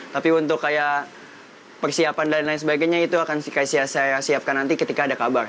tapi untuk kayak persiapan dan lain sebagainya itu akan saya siapkan nanti ketika ada kabar